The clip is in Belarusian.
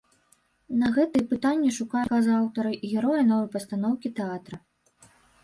На гэтыя пытанні шукаюць адказы аўтары і героі новай пастаноўкі тэатра.